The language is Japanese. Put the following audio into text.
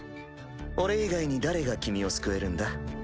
俺以外に誰が君を救えるんだ？